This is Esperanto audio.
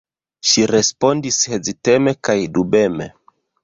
Ŝi respondis heziteme kaj dubeme: